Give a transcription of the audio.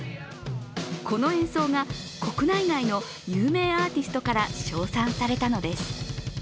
この演奏が国内外の有名アーティストから称賛されたのです。